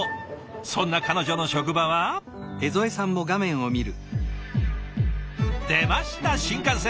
そんな彼女の職場は。出ました新幹線！